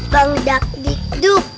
bang dak dikdup